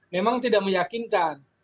memang tidak meyakinkan